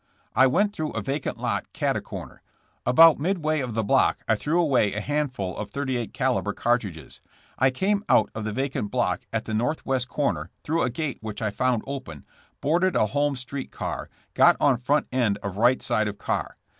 ''I went through a vacant lot cat a corner. About midway of the block I threw away a handful of 38 caliber cartridges. I came out of the vacant block at the north west corner through a gate which I found open, boarded a Holmes street car, got on front end on right side of car.